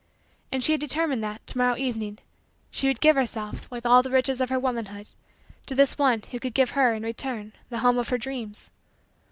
And she had determined that, to morrow evening, she would give herself, with all the riches of her womanhood, to this one who could give her, in return, the home of her dreams.